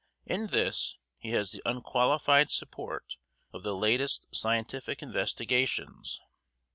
In this he has the unqualified support of the latest scientific investigations.